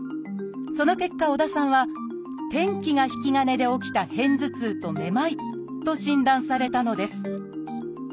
その結果織田さんは天気が引き金で起きた片頭痛とめまいと診断されたのです。